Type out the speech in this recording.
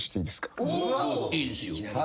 いいですよ。